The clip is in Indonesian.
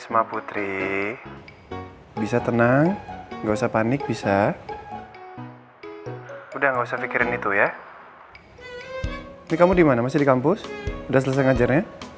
menderita di dalam penjara